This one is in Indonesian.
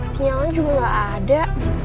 sinyalnya juga gak ada